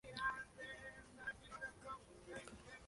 Lee no estaba en casa, y Kenny se pone a trabajar en un mixtape.